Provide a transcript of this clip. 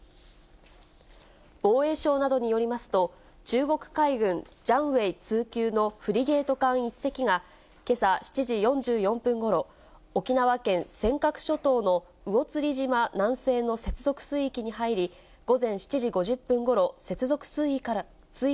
防衛省などによりますと、中国海軍ジャンウェイＩＩ級のフリゲート艦１隻が、けさ７時４４分ごろ、沖縄県尖閣諸島の魚釣島南西の接続水域に入り、午前７時５０分